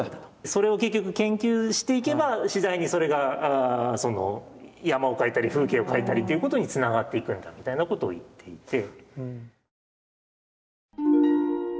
それを結局研究していけば次第にそれが山を描いたり風景を描いたりということにつながっていくんだみたいなことを言っていて。